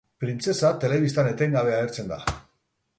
Printzesa telebistan etengabe agertzen da.